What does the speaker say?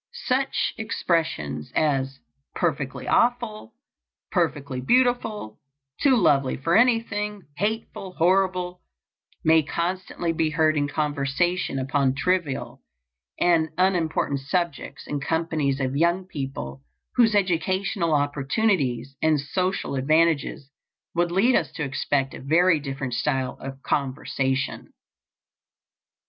Such expressions as "perfectly awful," "perfectly beautiful," "too lovely for anything," "hateful," "horrible," may constantly be heard in conversation upon trivial and unimportant subjects in companies of young people whose educational opportunities and social advantages would lead us to expect a very different style of conversation.